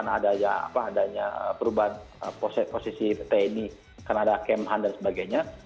adanya perubahan posisi pt ini karena ada camp hunter dan sebagainya